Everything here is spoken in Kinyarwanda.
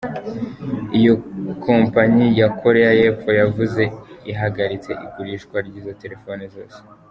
Iyo kompanyi ya Korea y’epfo yavuze ihagaritse igurishwa ry’izo telefone zose.